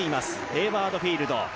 ヘイワード・フィールド。